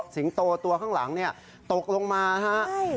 สิงตัวตัวข้างหลังเนี่ยตกลงมาฮะใช่